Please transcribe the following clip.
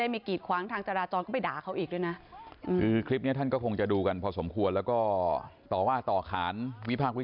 อาจจะให้ช่วยไหมว่าเขาจะเคลื่อนย้ายรถซีวิกไปตรงอื่นไม่